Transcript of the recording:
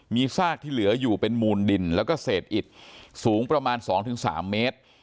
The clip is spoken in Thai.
มีซากที่เหลืออยู่เป็นมูลดินแล้วก็เศษอิดสูงประมาณ๒๓เมตร